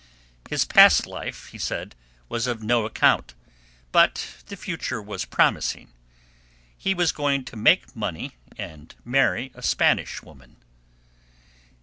His past life, he said, was of "no account," but the future was promising. He was going to "make money and marry a Spanish woman."